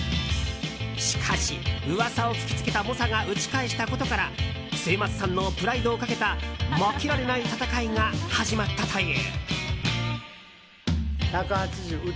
しかし、噂を聞き付けた猛者が打ち返したことから末松さんのプライドをかけた負けられない戦いが始まったという。